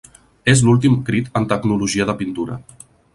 És l'últim crit en tecnologia de pintura.